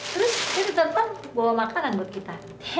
terus dia ke depan bawa makanan buat kita